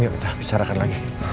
yuk kita bicarakan lagi